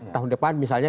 tahun depan misalnya